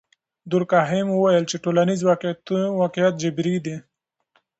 دورکهایم وویل چې ټولنیز واقعیت جبري دی.